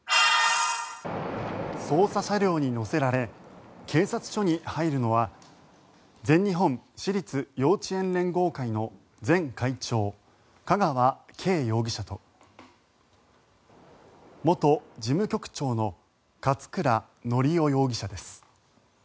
捜査車両に乗せられ警察署に入るのは全日本私立幼稚園連合会の前会長香川敬容疑者と元事務局長の勝倉教雄容疑者です。